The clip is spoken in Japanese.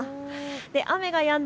雨がやんだ